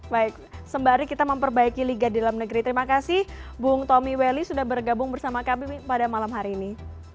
baik sembari kita memperbaiki liga di dalam negeri terima kasih bung tommy welly sudah bergabung bersama kami pada malam hari ini